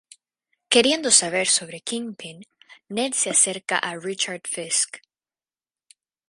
Queriendo saber sobre Kingpin, Ned se acerca a Richard Fisk.